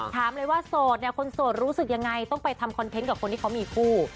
ถามเลยว่าโสดเนี่ยคนโสดรู้สึกยังไงต้องไปทำคอนเทนต์กับคนที่เขามีคู่